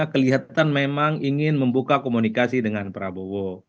kelihatan memang ingin membuka komunikasi dengan prabowo